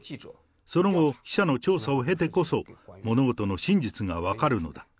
その後、記者の調査を経てこそ、物事の真実が分かるのだ。